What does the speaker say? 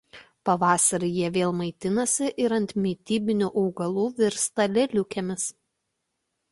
Pavasarį jie vėl maitinasi ir ant mitybinių augalų virsta lėliukėmis.